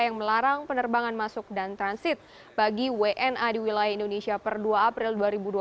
yang melarang penerbangan masuk dan transit bagi wna di wilayah indonesia per dua april dua ribu dua puluh